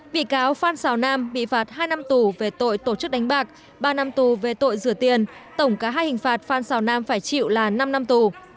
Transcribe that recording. bị cáo phan xào nam bị phạt hai năm tù về tội tổ chức đánh bạc ba năm tù về tội rửa tiền tổng cả hai hình phạt phan xào nam phải chịu là năm năm tù